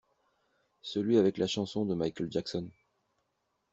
Celui avec la chanson de Michael Jackson.